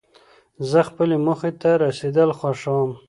زه خپلې موخي ته رسېدل خوښوم.